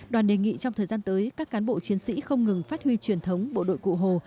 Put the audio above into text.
đoàn đề nghị trong thời gian tới các cán bộ chiến sĩ không ngừng phát huy truyền thống bộ đội cụ hồ